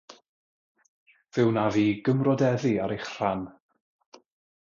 Fe wnaf fi gymrodeddu ar eich rhan.